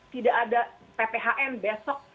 tidak ada pphn besok